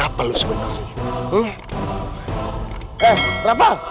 alhamdulillah kalian selamat